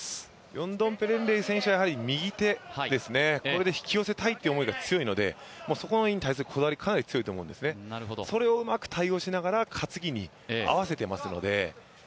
ヨンドンペレンレイ選手はやはり右手で引き寄せたいという思いが強いのでそこに対するこだわりかなり強いと思うんですね、それをうまく対応しながら担ぎに合わせてますので。